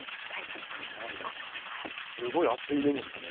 すごい熱いメモですね。